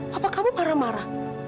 papa kamu marah marah